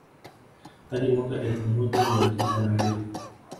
Hadi mwaka wa elfu moja mia tisa na mbili